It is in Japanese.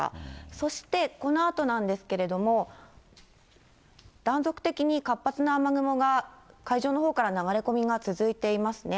そしてこのあとなんですけれども、断続的に活発な雨雲が、海上のほうから流れ込みが続いていますね。